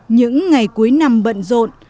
những ngày cuối năm bận rộn